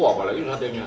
wah apalagi satenya